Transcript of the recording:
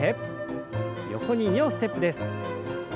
横に２歩ステップです。